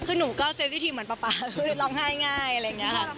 คือหนูก็เซ็นวิธีเหมือนป๊าป๊าคือร้องไห้ง่ายอะไรอย่างนี้ค่ะ